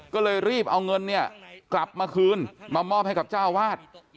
ก็เลยรีบเอาเงินเนี่ยกลับมาคืนมามอบให้กับเจ้าวาด